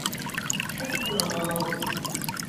Ad d-qqleɣ ɣer-wen.